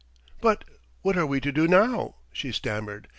"But what are we to do now?" she stammered.